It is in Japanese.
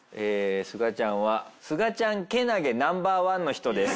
すがちゃんはすがちゃんけなげＮｏ．１の人です。